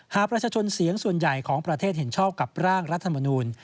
หากประชาชนเสียงส่วนใหญ่ของประเทศเห็นชอบกับร่างรัฐมนูล